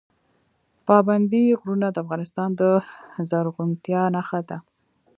پابندی غرونه د افغانستان د زرغونتیا نښه ده.